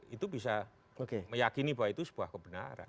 itu bisa meyakini bahwa itu sebuah kebenaran